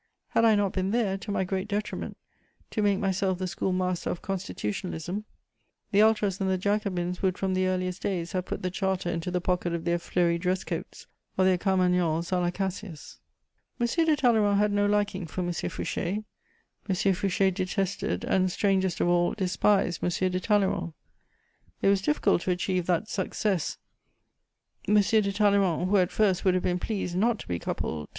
Had I not been there, to my great detriment, to make myself the school master of constitutionalism, the Ultras and the Jacobins would from the earliest days have put the Charter into the pocket of their fleury dress coats or their carmagnoles à la Cassius. M. de Talleyrand had no liking for M. Fouché; M. Fouché detested and, strangest of all, despised M. de Talleyrand: it was difficult to achieve that success. M. de Talleyrand, who at first would have been pleased not to be coupled to M.